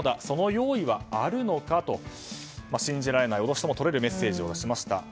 その用意はあるのか？と信じられない脅しとも取れるメッセージをしました。